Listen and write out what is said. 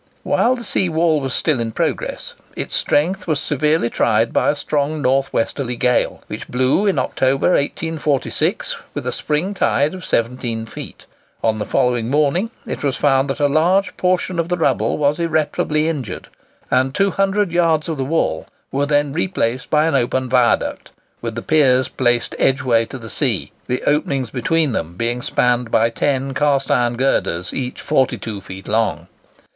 While the sea wall was still in progress, its strength was severely tried by a strong north westerly gale, which blew in October, 1846, with a spring tide of 17 feet. On the following morning it was found that a large portion of the rubble was irreparably injured, and 200 yards of the wall were then replaced by an open viaduct, with the piers placed edgeways to the sea, the openings between them being spanned by ten cast iron girders each 42 feet long.